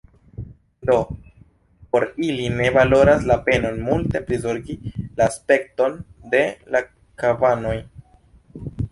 Do, por ili ne valoras la penon multe prizorgi la aspekton de la kabanoj.